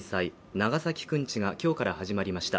長崎くんちがきょうから始まりました